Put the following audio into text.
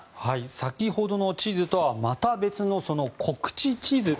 先ほどの地図とはまた別の国恥地図。